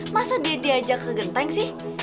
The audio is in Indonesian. masa dia diajak ke genteng sih